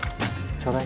ちょうだい。